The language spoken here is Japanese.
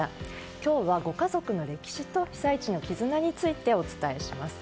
今日はご家族の歴史と被災地の絆についてお伝えします。